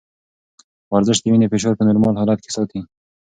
ورزش د وینې فشار په نورمال حالت کې ساتي.